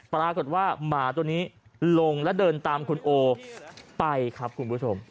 ปรากฏว่าหมาตัวนี้ลงแล้วเดินตามคุณโอไปครับคุณผู้ชม